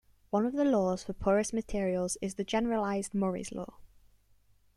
One of the Laws for porous materials is the generalized Murray's law.